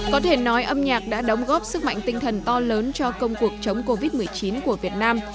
có thể nói âm nhạc đã đóng góp sức mạnh tinh thần to lớn cho công cuộc chống covid một mươi chín của việt nam